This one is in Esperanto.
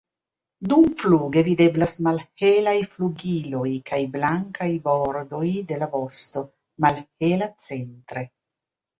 Dumfluge videblas malhelaj flugiloj kaj blankaj bordoj de la vosto, malhela centre.